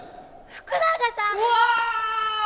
福永さんだ！